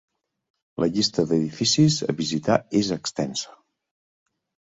La llista d’edificis a visitar és extensa.